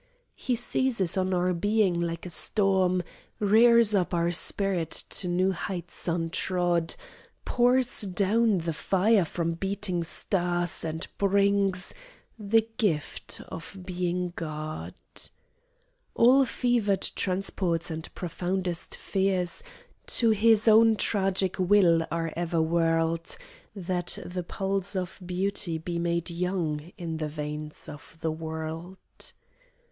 He seizes on our being like a storm, Rears up our spirit to new heights untrod, Pours down the fire from beating stars, and brings The gift of being God. All fevered transports and profoundest fears To his own tragic will are ever whirled, That the pulse of beauty be made young In the veins of the world.